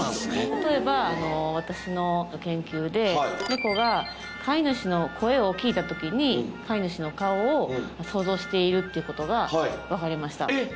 例えばあの私の研究ではい猫が飼い主の声を聴いた時にうんうん飼い主の顔を想像しているってことが分かりましたえっ！